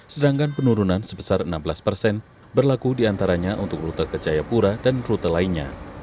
sedangkan penurunan sebesar enam belas persen berlaku diantaranya untuk rute ke jayapura dan rute lainnya